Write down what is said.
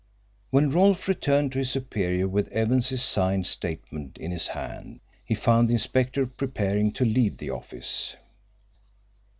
When Rolfe returned to his superior with Evans's signed statement in his hand, he found the inspector preparing to leave the office.